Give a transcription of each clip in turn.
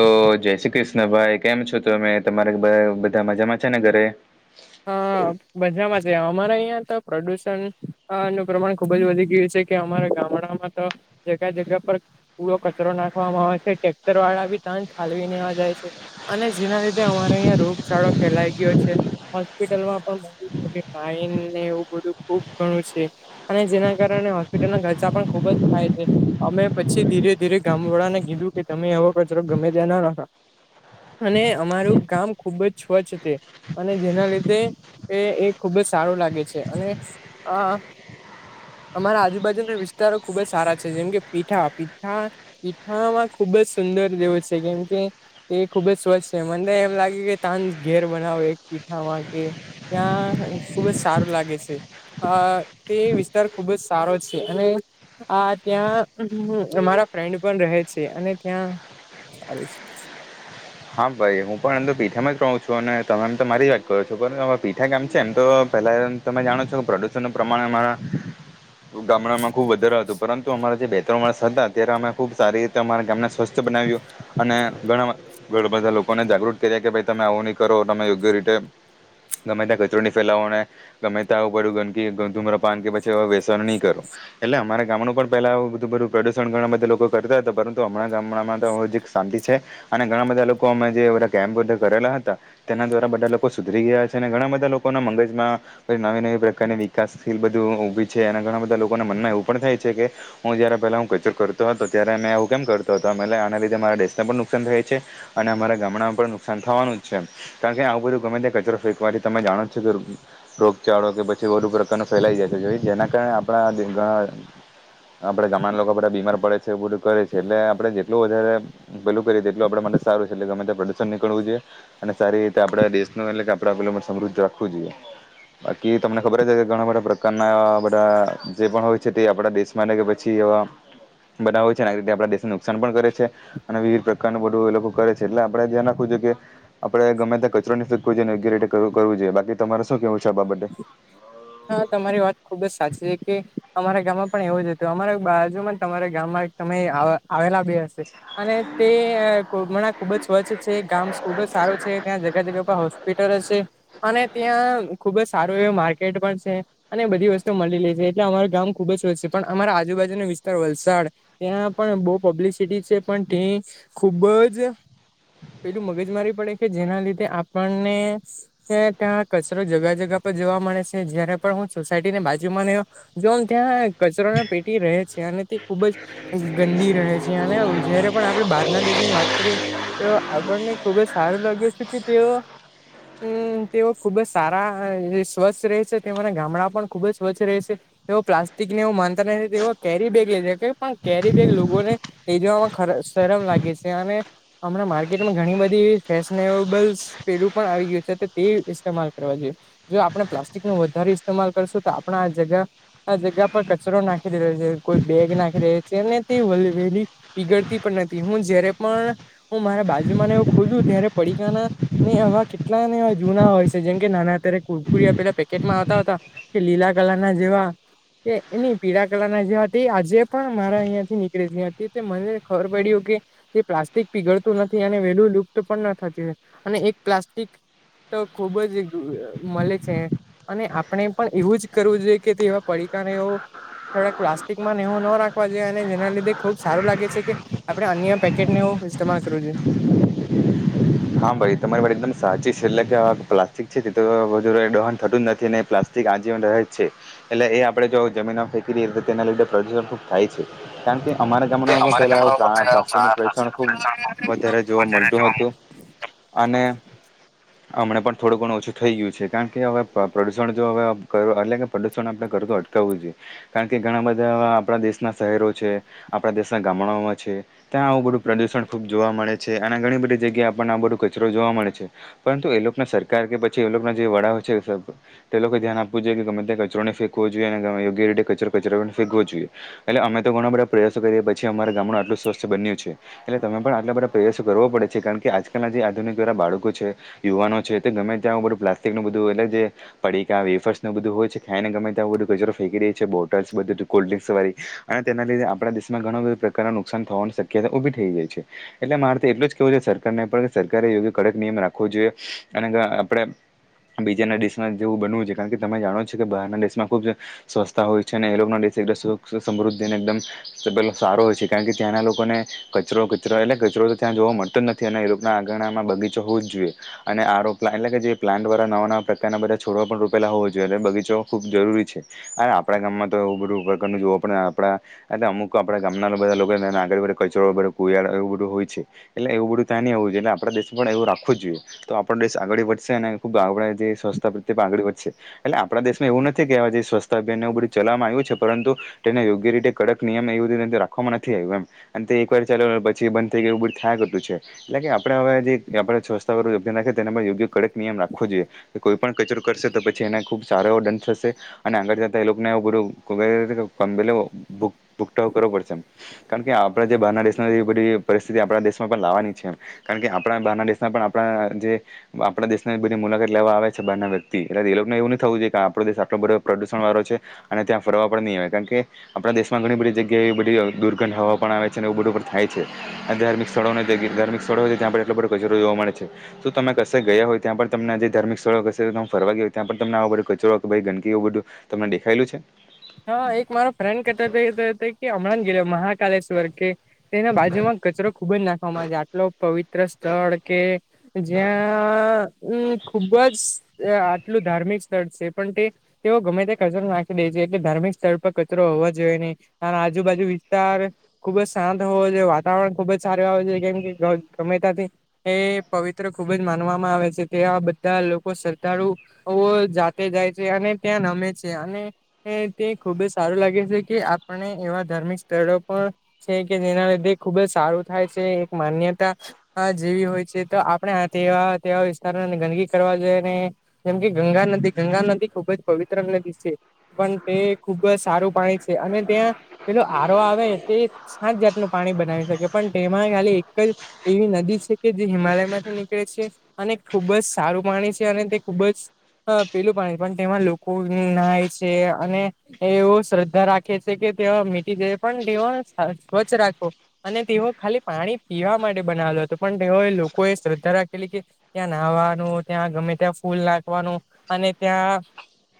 તો જય શ્રી કૃષ્ણ ભાઈ કેમ છો તમે તમારે બધા મજામાં છે ને ઘરે હ મજામાં છે અમારા અહિયાં તો પ્રદુષણનું પ્રમાણ ખુબ જ વધી ગયું છે. કે અમારા ગામડામાં તો જગ્યા જગ્યા પર. પૂરો કચરો નાખવામાં આવે છે ટટેક્ટર વાળા બી તંજ ખાલવી વા જાય છે. અને જેના લીધે અમારો અહંયા રોગચાળો ફેલાઈ ગયો છે. હોસ્પિટલમાં પણ મો મોટી લાઈનને એવું બધું ખુબ ઘણું છે. અને જેના કારણે હોસ્પિટલના ખર્ચા પણ ખુબ જ થાય છે. અમે પછી ધીરે ધીરે ગામ વાળા ને કીધું કે તમે એ વ કચરો ગમે ત્યાં ના નાખ અને અમારું ગામ ખુબ જ સ્વચ્છ છે. અને જેના લીધે એ એ ખૂબ જ સારું લાગે છે અને આ અમારા આજુબાજુના વિસ્તારો ખુબ જ સારા છે જેમ કે પીઠા પીઠા પીઠામાં ખુબ જ સુંદર જેવું છે કેમ કે તે એ ખુબ જ સ્વચ્છ છે મને એમ લાગે કે તાન ઘેર બનાવો એક. પીઠામાં કે ત્યાં ખુબ જ સારું લાગે છે. હા તે વિસ્તાર ખુબ જ સારો છે અને હા ત્યાં અમારા ફ્રેન્ડ પણ રહે છે અને ત્યાં હું છે. હા ભાઈ હું પણ એમ તો પીઠામાં જ રહું છું અને તમે એમ તો મારી જ વાત કરો છો પરુ પીઠા કામ છે એમ તો પેલા તમે જાણો છો કે પ્રદૂષણ ન પ્રમાણે અમારા ગામડામાં ખુબ વધારે હતું પરંતુ અમારા જે બે ત્રણ માણસ હતા ત્યારે અમે ખુબ સારી તમારા ગામને સ્વસ્થ બનાવ્યું અને ઘણા ઘણા બધા લોકોને જાગૃત કર્યા કે ભાઈ તમે આવું નહી કરો તમે યોગ્ય રીતે ગમે તે કચરોની ફેલાવવાને ગમે ત આવું પડ્યું ગંદકીધૂમ્ર પાન કે પછી હવે વસણ નહી કરો. એટલે અમારા ગામડું પણ પેલાું બધું બધું પ્રદુષણ ઘણા બધા લોકો કરતા હતા પરંતુ હમણાં ગામડામાં તો હજી શાંતિ છે. અને ઘણા બધા લોકો અમે જે બધા કેમ્પધ કરેલા હતા. તેના દ્વારા બધા લોકો સુધરી ગયા છે અને ઘણા બધા લોકોના મગજમાં પછી નવી નવી પ્રકારની વિકાસશીલ બધું ઊભી છે અને ઘણા બધા લોકોના મનમાં એવું પણ થાય છે કે હું જયારે પેલા હું કચર કરતો હતો ત્યારે અમે હું કેમ કરતો હતો અમે આના લીધે મારા દેશને પણ નુકસાન થાય છે. અને અમારે ગામડામાં પણ નુકસાન થવાનું જ છે. કારણ કે આવું બધું ગમે તે કચરો ફેકવાથી તમે જાણો જ છો રોગચાળો કે પછી વધુ પ્રકારનો ફેલાઈ જાય છે જો જેના કારણે આપણા ઘણા આપણે ગામડા ના લોકો બધા બીમાર પડે છે એવું બધું કરે છે એટલે આપણે જેટલું વધારે પેલું કરી તે એટલું આપડે માટે સારું છે એટલે ગમે ત્યા પ્રદુષણ નીકળવું જોએ અને સારી રીતે આપડા દેશ ન એટલે કે આપ પે સમૃદ્ધ રાખવું જોઈએ. બાકી તમને ખબર છે કે ઘણા બધા પ્રકારના બધા જે પણ હોય છે તે આપણા દેશ માને કી પછી એવા. બધા હોય છે અને આ રીતે આપણા દેશને નુકસાન પણ કરે છે અને વિવિધ પ્રકારનું બધું એ લોકો કરે છે એટલે આપડે ધ્યાન રાખવું જો કે. આપણેે ગમે ત્યાં કચરો ની ફેકવો જોઈએ અને યોગ્ય રીતે કરવુ કરવુ જોઈએ બાકી તમારે શું કેવું છે આ બાબતે. હા તમારી વાત ખુબ જ સાચી છે કે અમારા ગામમાં પણ એવો જ હતુ અમારા બાજુમાં તમારા ગામમાં તમે આ આવેલા બી હશે. અને તે કોમણા ખુબ જ સ્વચ્છ છે ગામ ખુબ જ સારું છે ત્યાં જગ્યા જગ્યા પર હો બેટર હશે અને ત્યાં ખુબ જ સારું એવું માર્કેટ પણ છે. અને બધી વસ્તુ મળી લે છે એટલે અમારા ગામ ખુબ જ સ્વચ્છ છે પણ અમારા આજુબાજુનો વિસ્તાર વલસાડ ત્યાં પણ બહુ પબ્લિસિટી છે પણ તે્યા ખુબ જ પેલું મગજ મારી પડે કે જેના લીધે આપણને ત્યાં તો કચરો જગા જગા પર જોવા મળે છે જયારે પણ હું સોસાયટી ને બાજુમાંને જો ત્યાં કચરોના પેટી રહે છે અને તે ખુબજ ગંદી રહે છે અને જયારે પણ આપણેે બહારના દેશની વાત કરીએ તે આપણને ખુબ જ સારું લાગે છે કે તેઓ હમ તેઓ ખુબ જ સારા હે સ્વચ્છ રહે. છે તે મારા ગામડા પણ ખુબ જ સ્વચ્છ રહેશે. એ પ્લાસ્ટિક ને એવું માનતા નથી તો એ કેરી બેગ એ છે કે પણ કેરી બેગ લોકોને. લઈ જવામાં ખ શરમ લાગે છે અને. હમણાં માર્કેટમાં ઘણી બધી એવી ફેશનેબલ પેલું પણ આવી ગયું છે તો તેવું ઇસ્તેમાલ કરવા જોઈએ. જો આપણે પ્લાસ્ટિક નો વધારે ઇસ્તેમાલ કરશું તો આપણા આ જગા આ જગ્યા પર કચરો નાખી રહ્યો છે કોઈ બેગ નાખી રહ્યો છે ને તે વે વેહલી પીગડતી પણ નથી હું જયારે પણ હું મારા બાજુમાંને એવું ખુલું ત્યારે પડીકાના. ને એવા કેટલા ને એવા જૂના હોય છે જેમ કે નાના અત્યારે કુરકુરયા પેલા કેકમાં આવતા હતા કે લીલા કલર ના જેવા. કે એની પીળા કલરના જે હતી એ આજે પણ મારા અહીં થી નીકળેની હતી તો મને ખબર પડ્યું કે. એ પ્લાસ્ટિક પીગળતું નથી અને વેલું લુપ્ત પણ ન થતી અને એક પ્લાસ્ટિક. તો ખુબ જ મળે છે. અને આપણે પણ એવું જ કરવું જોઈએ કે તેવા પડીકાને એવું થોડાક પ્લાસ્ટિકમાં નેવું ન રાખવા જોઈએ અને જેના લીધે ખુબ સારું લાગે છે કે આપડે અન્ય પેકેટ નેવું ઇસ્તેમાલ કરવું જોઈએ. હા ભાઈ તમારી વાત એકદમ સાચી છે એટલે કે પ્લાસ્ટિક છે તે તો વધુ દહન થતું જ નથી અને પ્લા. આ જીવન રહે છે. એટલે એ આપણેે જો જમીન મા ફેંકી તો તેના લીધે પ્રદૂષણ ખુબ થાય છે કારણ કે. અમારા ગામડામાં પણ અમારા પહેલાં પ્રા પ્લાસ્ટિક નુ જમાનામાં પેચણ ખૂબ પેલા વધારે જોવા વધારે મળતું હતું. અને. હમં પણ થોડું ઘણું ઓછું થઈ ગયું છે કારણ કે હવે પ્રદૂષણ જો હવે એટલે કે પ્રદૂષણ આપણે કરગટ કરવું જોઈએ કારણ કે ઘણા બધા આપણા દેશના શહેરો છે. આપણા દેશના ગામડાઓમાં છે ત્યાં આવું બધું પ્રદુષણ ખુબ જોવા મળે છે અનેના ઘણી બધી જગ્યાએ પણ આ બધો કચરો જોવા મળે છે પરંતુ એ લોકો ના સરકાર કે પછી એ લોકોના જે વડાઓ છે. તે લોકો ધ્યાન આપવું જોઈએ કે ગમે ત્યાં કચરોને ફેકવો જોએ અનેમે યોગ્ય રીતે કચરો કચરોને ફેકવો જોઈએ એટલે અમે તો ઘણા બધા પ્રયાસો કરીએ પછી અમારા ગામડું આટલું સ્વસ્થ બન્યું છે. એટલે તમે પણ આટલા બધા પ્રયાસો કરવો પડે છે કારણ કે આજ જે આધુનિકળા બાળકો છે યુવાનો છે તે ગમે ત્યાં બધું પ્લાસ્ટિક નું બધું એટલે પડીકા વેફર્સ નું બધું હોય છે ખાયને ગમેતા બધું કચરો ફેંકી દે છે બોલ્સ બધું કોલ્ડ્રિંક્સ હોઈ અને તેના લીધે આપણા દેશમાં ઘણા બધા પ્રકારના નુકસાન થવાની શક્યતા ઉભી થઈ ગઈ છે. એટલે મારે તો એટલું જ કેવું છે સરકાર ને પણ સરકારે યોગ્ય કડક નિયમ રાખવો જોઈએ અને આપડે બીજાના દેશમાં જેવું બનવું છે કારણ કે તમે જાણો છો કે બહારના ડેશમાં ખૂબ જ સ્વસ્થતા હોય છે અને એ લોકો સમૃદ્ધિ અને એકદમ પેલો સારો હોય છે કારણ કે ત્યાંના લોકોને કચરો કચરો એટલે કચરો તો ત્યાં જોવા મળતો જ નથી અને એ લોકો ના આંગણા માં બગીચો હોવું જ જોઈએ અને આરો પ્લા એટલે કે જે પ્લાન્ટ દ્વારા નવા નવા પ્રકારના બધા છોડવા પણ રૂપેલા હોવો જોઈએ એ બગીચા ખૂબ જરૂરી છે. અરે આપણા ગામમાં તો એ બધું પ્રકારનું જોવો પણડ આપડા એટલે અમુક આપડા ગામના લોકો બધા લોકો આગળ કચરો એવું બધું હોય છે. એટલે એવું બધું ત્યા નની એવુંઈએટ આપ દેશ પણ એવ રાખું જોઈએ તો આપણો દેશ આગળ વધશે અને ખુબ સ્વરછતા પ્રત્યે આગળ વધશે એટલે આપણા દેશમાં એવું નથી કે આ જે સ્વસ્થતા અભિયાનને એવ બધું ચલાવામાં આવ્યું છે પરંતુ તેને યોગ્ય રીતે કડક નિયમ એવી રીતે રાખવામાં નથી આવ્યું એમ અને તે એક વાર ચાલ પછી બંધ થઈ ગયું એ બું થયા ગતું છે. એટલે કે આપણે હવે જે આપણે સ્વચસ્છ અભ્યાન રાખએ તેના પર યોગ્ય કડક નિયમ રાખવો જોઈએ કોઈ પણ કચરો કરશે તો પછી એને ખુબ સારો એવો દંડ થશે અને આગળ જતા એ લોકોને [unintelligible] કરવો પડશે કારણ કે આપણે જે બહારના દેશમાં એ બધી પરિસ્થિતિ આપણા દેશમાં પણ લાવવાની છે. કારણ કે આપણા બારના દેશના પણ આપણા જે આપણા દેશની બધી મુલાકાત લેવા આવે છે બાર ના વ્યક્તિ એટલે એ લોકોને એવું ન થવું જોઈ કે આપણો દેશ આટલો બધો પ્રદુષણ વાળો છે. અને ત્યાં ફરવા પણ નહીં આવે કારણ કે આપણા દેશમાં ઘણી બધી જગ્યાએ એવી બધી દુર્ગંધ હવા પણ આવે છે અને એવું બધું પણ થાય છે અને ધાર્મિક સ્થળોને ધાર્મિક સ્થળો હોય ત્યાં પણ એટલો બધો કચરો જોવા મળે છે. શું તમે કશે ગયા હોય ત્યાં પણ તમને જે ધાર્મિક સ્થળો કશે ફરવા ગયોય ત્યાં પણ તમને આવ કચરો ગંદકી એવું બધું તમને દેખાયેલું છે. હા એક મારો ફ્રેન્ડ કેતો હમણાં જ [unintelligible] કલેશ્વર કે તેના બાજુમાં કચરો ખુબ જ નાખવામાં આવે આટલો પવિત્ર સ્થળ કે જ્યાંમ ખુબ જ આટલું ધાર્મિક સ્થળ છે પણ તે તેઓ ગમે તે કચરો નાખી દે છે. ધાર્મિક સ્થળ પર કચરો હોવા જોઈએ નહી આ આજુબાજુ વિસ્તાર ખુબ જ શાંત હોવો જોઈએ વાતાવરણ ખુબ જ સારું આવે છે કેમ કે ગમેતા એ પવિત્ર ખૂબ જ માનવામાં આવે છે ત્યાં બધા લોકો શ્રધ્ધાડુ જાતે જાય છે અને ત્યાં નમે છે અને તે ખુબ સારું લાગે છે કે આપણે એવા ધાર્મિક સ્થળો પણ છે કે જેના લીધે ખુબ જ સારું થાય છે એક માન્યતા હા, જેવી હોય છે તો આપડણે આ તેવા તેવા વિસ્તારો ગંદકી કરવા જોઈએ ને જેમ કે ગંગા નદી ગંગા નદી ખુબ જ પવિત્ર નદી છે. પણ તે ખુબ જ સારું પાણી છે અને ત્યાં પેલો આરો આવે એ તે સાત જાતનું પાણી બનાવી શકે પણ તેમાં ખાલી એક જ એવી નદી છે કે જે હિમાલયમાંથી નીકળે છે. અને ખૂબ જ સારું પાણી છે અને તે ખૂબ જ હ પેલું પણ પણ તેમાં લોકો નાય છે અને એવું શ્રદ્ધા રાખે છે કે તે મીટી જઈ પણ દેવો સ્વચ્છ રાખો અને તેઓ ખાલી પાણી પીવા માટે બનાવેલો હતો પણ તેઓ લોકોએ શ્રદ્ધા રાખેલી કે ત્યાં નાહવાનું ત્યાં ગમે ત્યાં ફૂલ નાખવાનું અને ત્યાં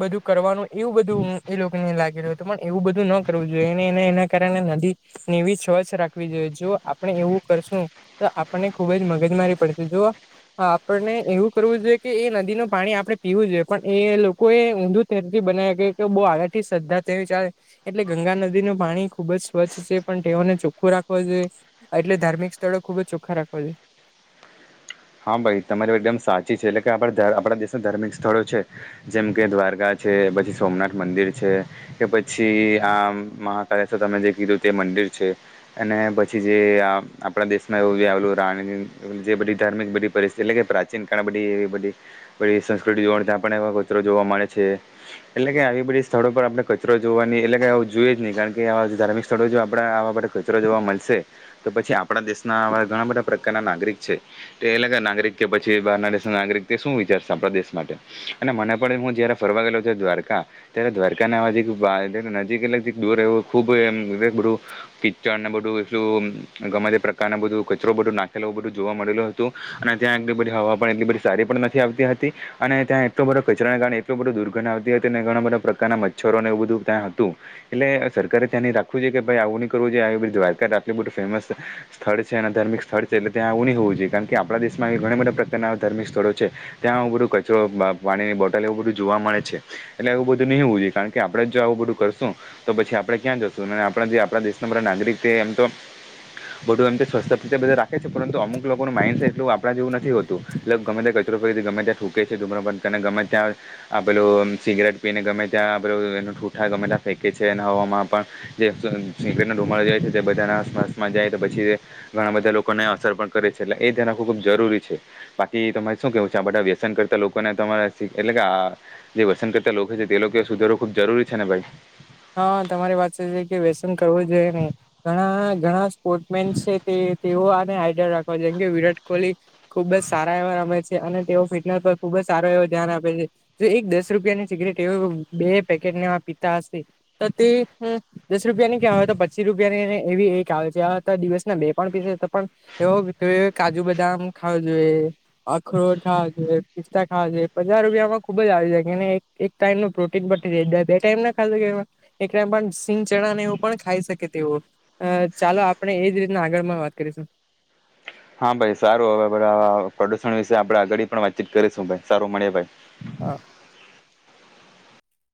બધું કરવાનું એવું બધું એ લોકોને લાગી રહ્યું હતું પણ એવું બધું ન કરવું જોઈએને એને એના કારણે નદી ને એવી સ્વચ્છ રાખવી જોઈએ જો આપણે એવું કરશું તો આપણને ખુબ જ મગજ મારી પડશે જુઓ હા, આપણને એવું કરવું જોઈએ કે એ નદી નું પાણી આપડણે પીવું જોઈએ પણ એ લોકો એ ઊંધું તે ધી બનાઇ ગયું કે બહું આગથી શ્ર્ધા તે વિચારે એટલે ગંગા નદીનું પાણી ખુબ જ સ્વચ્છ છે પણ તેઓને ચોખ્ખું રાખવો જોએ. એટલે ધાર્મિક સ્થળો ખુબ જ ચોખા રાખવા જોઈએ. હા, ભાઈ તમારી એકદમ સાચી છે. એટલે કે આપડા આપડા દેશના ધાર્મિક સ્થળો છે જેમ કે દ્વારકા છે પછી સોમનાથ મંદિર છે. કે પછી આ મહાકાલેશ્વર તમે જે કીધું તે મંદિર છે. અને પછી જે આપડા દેશમાં એવું આવેલું રાણી જે બધી ધાર્મિક બધી પરિસ્થિતિ એટલે કે પ્રાચીન કળ બધી એવી બધી પછી સંસ્કૃતિ જોવા ત્યાં પણ એ કચરો જોવા મળે છે. એટલે કે આવી બધી સ્થળો પર આપડે કચરો જોવાની એટલે કે આવું જોઈએ જ નહી કારણ કેવા ધાર્મિક સ્થળો જો આપડે આવા બધા કચ ચરો જોવા મળશે તો પછી આપડા દેશના ઘણા બધા પ્રકારના નાગરિક છે. તે અલગ નાગરિક કે પછી બારના દેશ નાગરિક શું વિચારશે આપડા દેશ માટે? અને મને પણ હું જયારે ફરવા ગેલો છ દ્વારકા ત્યારે દ્વારકા નાવા નજીક દોર એવ ખુબ એમ એ બધું કિચડને બધું એલું ગમે તે પ્રકારના બધું કચરો બધું નાખેલો બધું જોવા મળેલું હતું અને ત્યાં એટલી બધી હવા પણ એટલી બધી સારી પણ નથી આવતી હતી અને ત્યાં એટલો બધો કચરા ના કારણે બધું દુર્ગંધન આવતી હતી અને ઘણા બધા પ્રકારના મચ્છરોને એવું બધું ત્યાં હતું એટલે સરકારે ત્યાંની રાખવું છે કે ભાઈ આવું નઈ કરવું જો દ્વારકા આટલું બધું ફેમસ સ્થળ છે અને ધાર્મિક સ્થળ છે એટલે ત્યાં આવવું નહી હોવું જોઈએ કારણ કે આપડા દેશમાં ઘણા બધા પ્રકારના ધાર્મિક સ્થળો છે ત્યાં આવું બધું કચરો પાણીની બોટલ એવું બધું જોવા મળે છે એટલે એવું બધું નહીં હોવ જોએ કારણ કે આપડે જો આવું બધું કરશું તો પછી આપડે ક્યાં જશું અને આપડા જે આપણા દેશના બધા નાગરિક છે એમ તો બધું એમ તો સ્વસ્તા બધા રાખે છે પરંતુ અમુક લોકોનું માઇન્ડસે એટલું આપડા જેવું નથી હોતું. એટલે ગમે ત્યાં કચરો ફરી ગમે ત્યાં થૂંકે છે ધુમ અને ગમે ત્યાં આપેલું આમ સિગરેટ પીને ગમે ત્યાં આપેલું એ ઠૂઠા ગમે ત્યાં ફેંકે છે હવામાં પણ જે અસર જુમા જાય છે તે બધા આસપાસમાં જાય પછી ઘણા બધા લોકોને અસર પણ કરે છે એટલે એ ધ્યાન રાખવું ખૂબ જરૂરી છે. બાકી તમારે શું કેવું છે આ બધા વ્યસન કરતા લોકોને તમારા સે એટલે કે આ જે વસંત કરતા લોકો છે તે લોકો સુધારવું ખુબ જરૂરી છે ને ભઈ હા, તમારી વાત સાચી છે કે વ્યસન કરવું જોઈએ ને ઘણા ઘણા સ્પોર્ટ મેન છે તે તેઓ આને હાઈડર રાખવા છે જેમ કે વિરાટ કોહલી ખુબ જ સારા એવા રમે છે અને તેઓ ફિટનેસ પર ખુબ જ સારો એવો ધ્યાન આપે છે. જો એક દસ રૂપિયાની સિગરેટ એવ બે પેકેટને પીતા હશે, તો તે દસ રૂપિયાની ક્યાં આવેય તો પચીસ રૂપિયાનીને એવી એક આવે છે આ દિવસના બે પણ પીસે પણ એવ કાજુ બદામ ખાવ જોએ. અખરોટ ખાવા પિસ્તા ખાવા છે પજાર રૂપિયામાં ખુબ જ આવે જ કેને એક ટાઈમ નું પ્રોટીન પટી રાય બે ટાઈમ ના ખા એમાં. એક ટાઈમ પણ સિંગ ચણાને એવું પણ ખાઈ શકે તેવું. અ ચાલો આપણે એજ રીતના આગળ માં વાત કરીશું. હા ભાઈ સારું હવે પ્રદુષણ વિશે આપણે આગળ પણ વાતચીત કરીશું ભાઈ સારું મળે ભાઈ. હા.